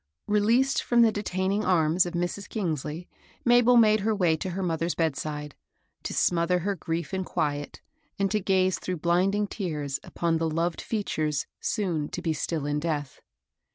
Released from the detaining arms of Mrs. Kingsley, Mabel made her way to her mother's bedside, to smodier her grief in quiet, and to gaze through blinding tears upon the loved features soon to be still in death.